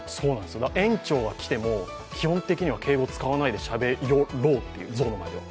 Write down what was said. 園長が来ても、基本的には敬語を使わないでしゃべろうと、ゾウの前では。